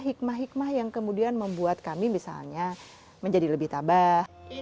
hikmah hikmah yang kemudian membuat kami misalnya menjadi lebih tabah